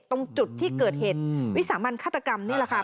ตรงจุดที่เกิดเหตุวิสามันฆาตกรรมนี่แหละค่ะ